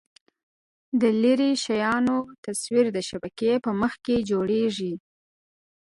د لیرې شیانو تصویر د شبکیې په مخ کې جوړېږي.